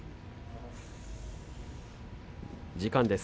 時間です。